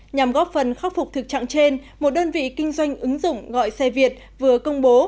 nhằm góp phần khắc phục thực trạng trên một đơn vị kinh doanh ứng dụng gọi xe việt vừa công bố